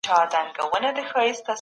استازی د حکومت پیغامونه رسوي.